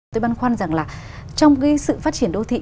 tôi băn khoăn rằng là trong cái sự phát triển đô thị